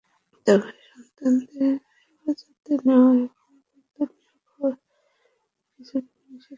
তবে সন্তানদের হেফাজতে নেওয়া এবং অভিভাবক নিয়োগ হওয়া নিয়ে কিছু বিধিনিষেধ রয়েছে।